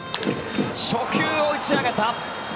初球を打ち上げた。